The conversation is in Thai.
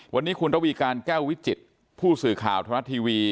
วันนี้คุณระวีการแก้ววิจิตผู้สื่อข่าวธรรมรัฐทีวี